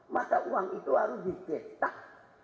mata uang itu harus dipetak